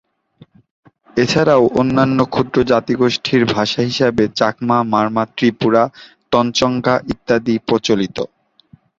এছাড়াও অন্যান্য ক্ষুদ্র জাতিগোষ্ঠীর ভাষা হিসেবে চাকমা, মারমা, ত্রিপুরা, তঞ্চঙ্গ্যা ইত্যাদি প্রচলিত।